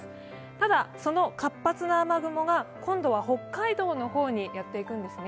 ただ、その活発な雨雲が今度は北海道の方にやってくるんです。